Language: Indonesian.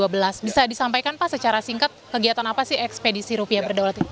bisa disampaikan pak secara singkat kegiatan apa sih ekspedisi rupiah berdaulat ini